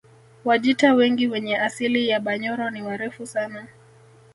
Wajita wengi wenye asili ya Banyoro ni warefu sana